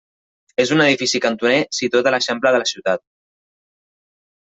És un edifici cantoner situat a l'eixample de la ciutat.